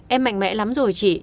em mạnh mẽ lắm rồi chị